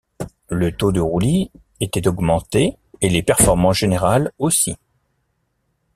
Le taux de roulis était augmenté et les performances générales aussi.